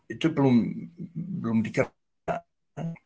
itu belum belum dikerjakan